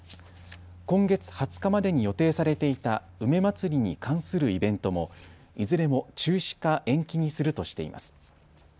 今月２０日までに予定されていた梅まつりに関するイベントもいずれも中止か延期にするとしています。